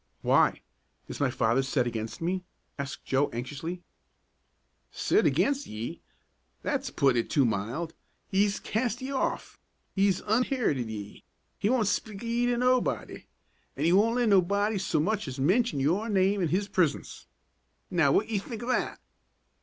"Why? Is my father set against me?" asked Joe, anxiously. "Set aginst ye? That's puttin' it too mild. He's cast ye off. He's unherited ye. He won't speak of ye to nobody, an' he won't let nobody so much as mention yer name in his presience. Now what ye think o' that?"